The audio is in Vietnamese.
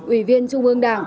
ủy viên trung ương đảng